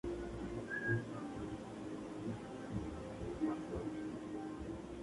En la fiesta casi son calcinados por Efraín, que huye.